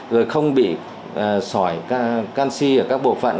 rồi không bị sỏi canxi ở các bộ phận